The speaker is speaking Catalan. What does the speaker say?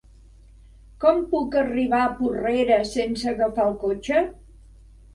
Com puc arribar a Porrera sense agafar el cotxe?